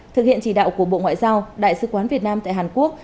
thực hiện chỉ đạo của bộ ngoại giao đại sứ quán việt nam tại hàn quốc